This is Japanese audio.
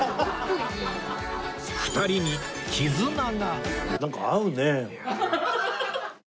２人に絆が